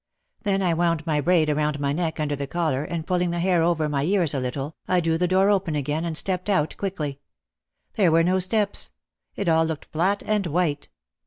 Then I wound my braid around my neck under the collar, and pulling the hair over my ears a little, I drew the door open again and stepped out quickly. There were no steps. It all looked flat and white.